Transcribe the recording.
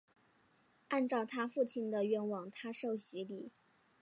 按照她父亲的愿望她受洗礼。